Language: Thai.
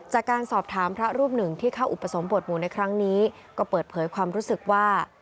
จากการสอบถามพระรูปหนึ่งที่เข้าอุปสมบทหมู่ในครั้งนี้ก็เปิดเผยความรู้สึกว่า